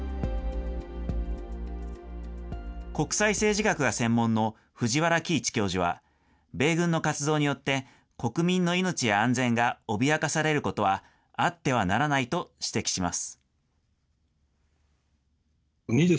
国際政治学が専門の藤原帰一教授は、米軍の活動によって、国民の命や安全が脅かされることはあってはならないと指摘します。